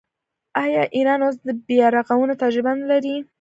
آیا ایران اوس د بیارغونې تجربه نلري؟